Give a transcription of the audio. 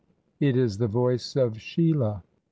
"IT IS THE VOICE OF SHEILA."